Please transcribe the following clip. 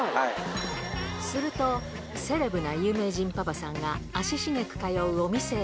すると、セレブな有名人パパさんが足しげく通うお店へ。